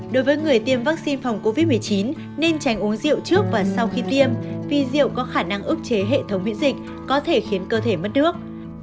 đối với người tiêm vaccine phòng covid một mươi chín nên tránh uống rượu trước và sau khi tiêm vì rượu có khả năng ức chế hệ thống miễn dịch có thể khiến cơ thể mất nước